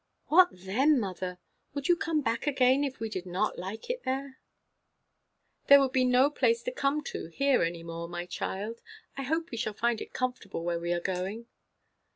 "What then, mother? Would you come back again, if we did not like it there?" "There would be no place to come to, here, any more, my child. I hope we shall find it comfortable where we are going."